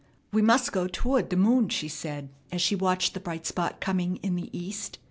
"We must go toward the moon," she said as she watched the bright spot coming in the east.